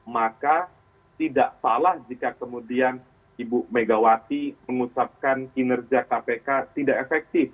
maka tidak salah jika kemudian ibu megawati mengucapkan kinerja kpk tidak efektif